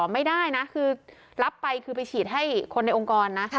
ไม่ได้นะคือรับไปคือไปฉีดให้คนในองค์กรนะ